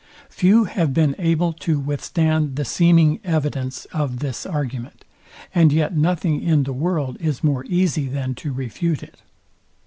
Few have been able to withstand the seeming evidence of this argument; and yet nothing in the world is more easy than to refute it.